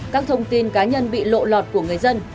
các thông tin cá nhân bị lộ lọt của người dân